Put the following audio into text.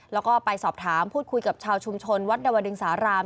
แล้วก็ไปสอบถามพูดคุยกับชาวชุมชนวัดดวดึงสาราม